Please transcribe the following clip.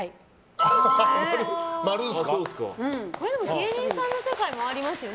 芸人さんの世界もありますよね。